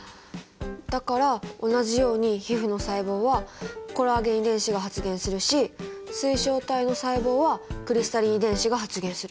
だから同じように皮膚の細胞はコラーゲン遺伝子が発現するし水晶体の細胞はクリスタリン遺伝子が発現する。